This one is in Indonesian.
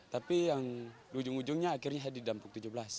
tapi yang ujung ujungnya akhirnya saya didunpok tujuh belas